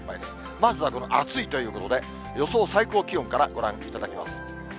まずはこの暑いということで、予想最高気温からご覧いただきます。